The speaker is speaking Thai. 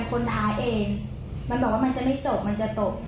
มันบอกว่ามันจะไม่จบมันจะตก